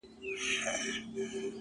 • هم څښتن وو د پسونو هم د غواوو ,